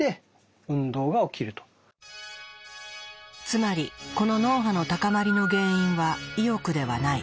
つまりこの脳波の高まりの原因は意欲ではない。